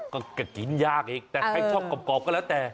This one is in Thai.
ก็กินยากอีกแต่ใครชอบกรอบก็แล้วแต่